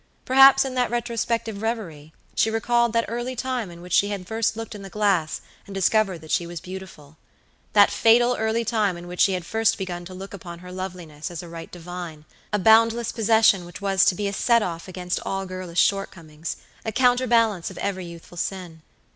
Perhaps in that retrospective revery she recalled that early time in which she had first looked in the glass and discovered that she was beautiful; that fatal early time in which she had first begun to look upon her loveliness as a right divine, a boundless possession which was to be a set off against all girlish shortcomings, a counterbalance of every youthful sin.